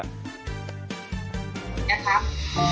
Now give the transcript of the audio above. สวัสดีครับ